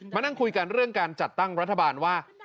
นั่งคุยกันเรื่องการจัดตั้งรัฐบาลว่า